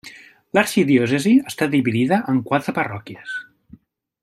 L'arxidiòcesi està dividida en quatre parròquies.